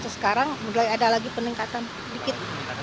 sekarang mulai ada lagi peningkatan sedikit